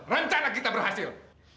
rencana kita berhasil